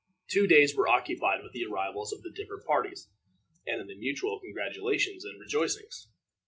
Two days were occupied with the arrivals of the different parties, and in the mutual congratulations and rejoicings.